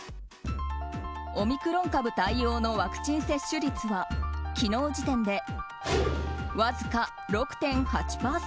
オミクロン株対応のワクチン接種率は昨日時点でわずか６．８％。